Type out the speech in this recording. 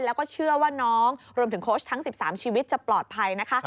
แล้วก็เชื่อว่าน้องรวมถึงโค้ชทั้ง๑๓ชีวิตจะปลอดภัยนะคะ